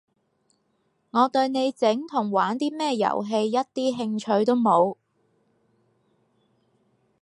我對你整同玩啲咩遊戲一啲興趣都冇